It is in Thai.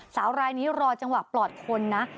สาวรายนี้รอจังหวะปลอดคนนะ